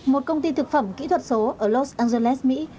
một công ty thực phẩm kỹ thuật số ở los angeles mỹ